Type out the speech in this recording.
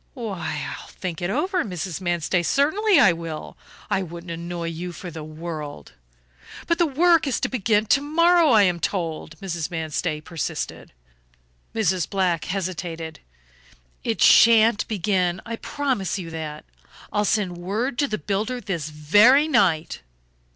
"Why, I'll think it over, Mrs. Manstey, certainly I will. I wouldn't annoy you for the world " "But the work is to begin to morrow, I am told," Mrs. Manstey persisted. Mrs. Black hesitated. "It shan't begin, I promise you that; I'll send word to the builder this very night."